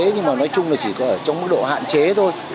nhưng mà nói chung là chỉ có ở trong mức độ hạn chế thôi